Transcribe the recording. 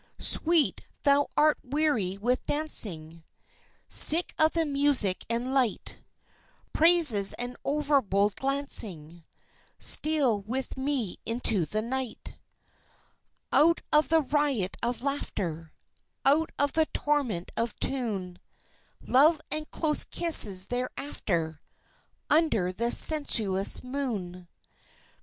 Sweet, thou art weary with dancing, Sick of the music and light Praises and overbold glancing Steal with me into the night; Out of the riot of laughter, Out of the torment of tune Love and close kisses thereafter Under the sensuous moon!